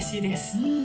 うん。